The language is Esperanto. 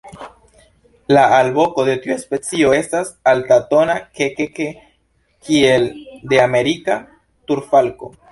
La alvoko de tiu specio estas altatona "ke-ke-ke" kiel de Amerika turfalko.